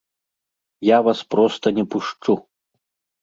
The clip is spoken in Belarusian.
Я вас проста не пушчу!